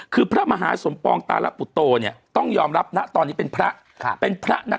คือพระมหาสมปองตาลปุตโตเนี่ยต้องยอมรับนะตอนนี้เป็นพระนะ